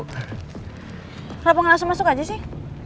kenapa nggak langsung masuk aja sih